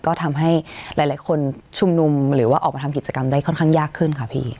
ก็ทำให้หลายคนชุมนุมหรือว่าออกมาทำกิจกรรมได้ค่อนข้างยากขึ้นค่ะพี่